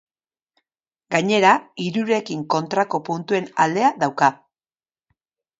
Gainera, hirurekin kontrako puntuen aldea dauka.